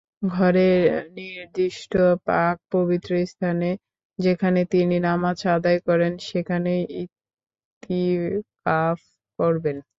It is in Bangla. ঘরের নির্দিষ্ট পাক-পবিত্র স্থানে, যেখানে তিনি নামাজ আদায় করেন, সেখানেই ইতিকাফ করবেন।